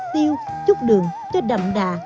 tiêu chút đường cho đậm đà